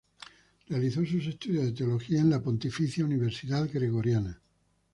Realizó sus estudios de teología en la Pontificia Universidad Gregoriana.